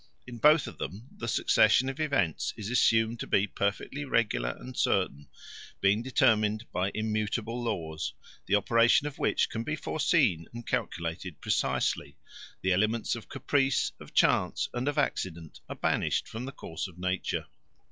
In both of them the succession of events is assumed to be perfectly regular and certain, being determined by immutable laws, the operation of which can be foreseen and calculated precisely; the elements of caprice, of chance, and of accident are banished from the course of nature.